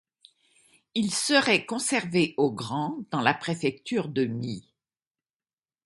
Il serait conservé au grand dans la préfecture de Mie.